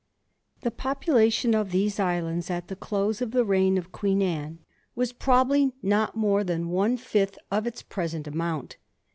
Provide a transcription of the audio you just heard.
The population of these islands at the close of the reign of Queen Anne was probably not more than •one fifth of its present amount.